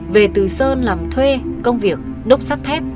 về từ sơn làm thuê công việc đốt sắt thép